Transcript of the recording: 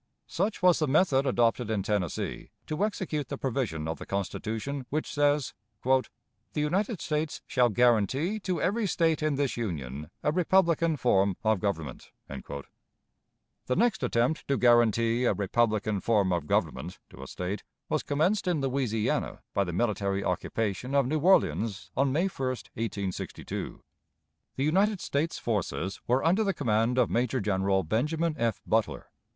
Such was the method adopted in Tennessee to execute the provision of the Constitution which says: "The United States shall guarantee to every State in this Union a republican form of government." The next attempt to guarantee "a republican form of government" to a State was commenced in Louisiana by the military occupation of New Orleans, on May 1, 1862. The United States forces were under the command of Major General Benjamin F. Butler.